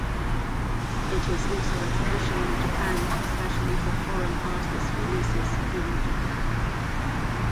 It is also a tradition in Japan especially for foreign artist releases in Japan.